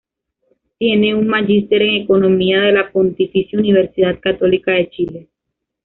Tiene un Magíster en Economía de la Pontificia Universidad Católica de Chile.